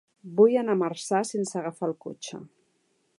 Vull anar a Marçà sense agafar el cotxe.